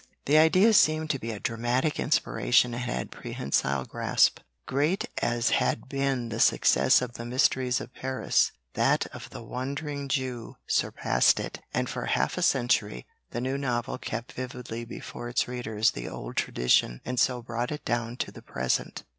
The idea seemed to be a dramatic inspiration and had prehensile grasp. Great as had been the success of the Mysteries of Paris, that of The Wandering Jew surpassed it, and for half a century the new novel kept vividly before its readers the old tradition, and so brought it down to the present.